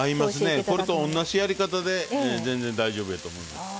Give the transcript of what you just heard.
これと同じやり方で全然大丈夫です。